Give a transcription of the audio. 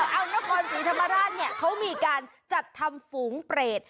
เอานครศรีธรรมราชเนี่ยเขามีการจัดทำฝูงเปรต